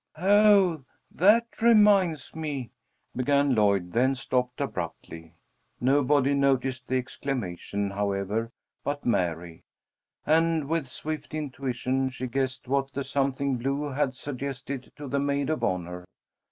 '" "Oh, that reminds me!" began Lloyd, then stopped abruptly. Nobody noticed the exclamation, however, but Mary, and, with swift intuition, she guessed what the something blue had suggested to the maid of honor.